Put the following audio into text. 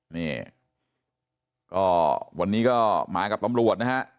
นี่ก็วันนี้ก็มากับตำรวจนะฮะ